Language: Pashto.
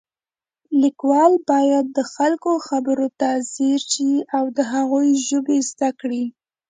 لیکوال باید د خلکو خبرو ته ځیر شي او د هغوی ژبه زده کړي